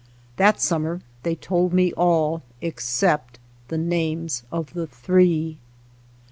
That summer they told me all except the names of the Three.